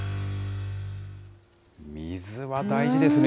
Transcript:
水は大事ですね。